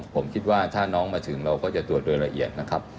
ผมคิดว่าถ้าน้องมาถึงเราก็จะตรวจโดยละเอียดนะครับ